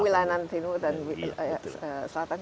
oh wilayah layanan timur dan selatan